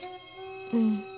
うん。